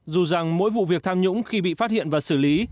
dù rằng mỗi vụ việc tham nhũng khi bị phát hiện và xử lý